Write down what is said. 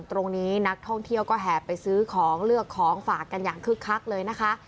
ตรงนี้นักท่องเที่ยวก็แห่ไปซื้อของเลือกของฝากกันอย่างคึกคักเลยนะคะ